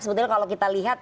sebetulnya kalau kita lihat